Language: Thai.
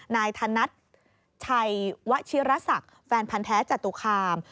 นายธนัดชัยวชิรศักดิ์แฟนพันธ์แท้จตุคาม